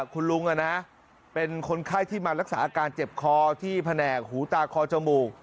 คุณลุงเป็นคนไข้ที่มารักษาอาการเจ็บคอที่แผนกหูตาคอจมูก